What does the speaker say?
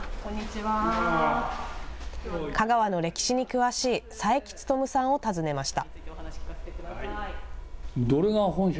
香川の歴史に詳しい、佐伯勉さんを訪ねました。